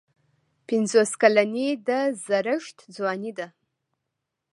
پنځوس کلني د زړښت ځواني ده.